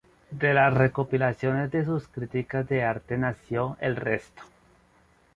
De las recopilaciones de sus críticas de arte nació "El resto.